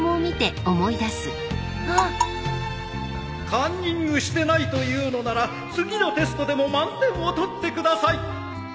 カンニングしてないと言うのなら次のテストでも満点を取ってください